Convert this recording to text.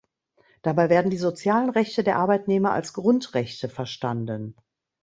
Dabei werden die sozialen Rechte der Arbeitnehmer als Grundrechte verstanden.